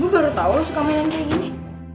gue baru tau lo suka main kayak gini